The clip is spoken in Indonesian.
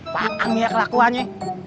pakang ya kelakuannya